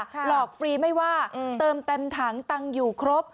หลอกฟรีไม่ว่าเติมเต็มถังตังค์อยู่ครบ